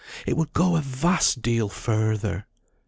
It would go a vast deal further.